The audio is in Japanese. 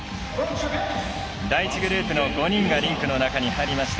第１グループの５人がリンクの中に入りました。